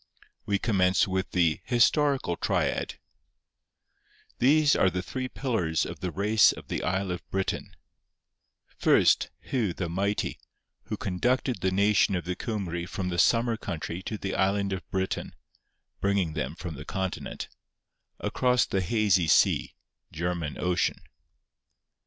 We commence with the historical Triad:— 'These are the three pillars of the race of the isle of Britain: First, Hu the Mighty, who conducted the nation of the Cumry from the summer country to the island of Britain (bringing them from the continent) across the hazy sea (German Ocean).